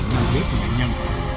ngăn bếp của nạn nhân